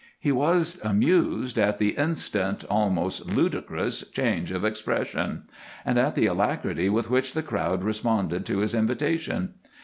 He was amused at the instant, almost ludicrous change of expression, and at the alacrity with which the crowd responded to his invitation.